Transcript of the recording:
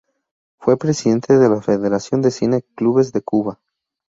Fue presidente de la Federación de Cine Clubes de Cuba.